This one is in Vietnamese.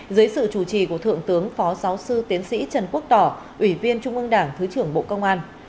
dưới sự chủ trì của thượng tướng phó giáo sư tiến sĩ trần quốc tỏ ủy viên trung ương đảng thứ trưởng bộ công an